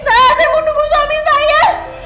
saya gak mau diperiksa saya mau nunggu suami saya